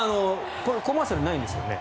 コマーシャルないんですよね。